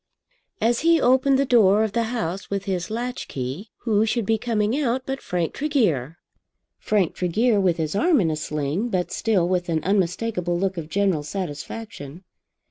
As he opened the door of the house with his latch key, who should be coming out but Frank Tregear, Frank Tregear with his arm in a sling, but still with an unmistakable look of general satisfaction.